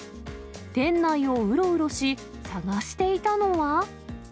店内をうろうろし、探していたのは。